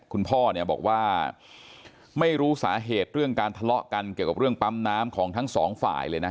คุณพ่อเนี่ยบอกว่าไม่รู้สาเหตุเรื่องการทะเลาะกันเกี่ยวกับเรื่องปั๊มน้ำของทั้งสองฝ่ายเลยนะ